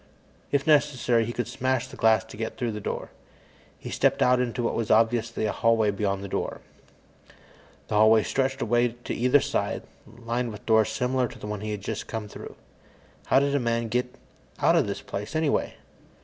If necessary, he could smash the glass to get through the door. He stepped out into what was obviously a hallway beyond the door. The hallway stretched away to either side, lined with doors similar to the one he had just come through. How did a man get out of this place, anyway?